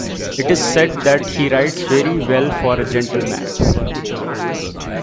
It is said that he writes very well for a gentleman.